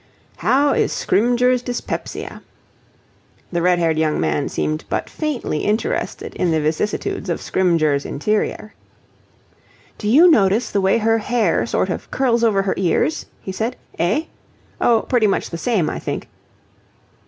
"How is Scrymgeour's dyspepsia?" The red haired young man seemed but faintly interested in the vicissitudes of Scrymgeour's interior. "Do you notice the way her hair sort of curls over her ears?" he said. "Eh? Oh, pretty much the same, I think."